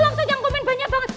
langsung yang komen banyak banget